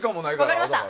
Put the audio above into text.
分かりました。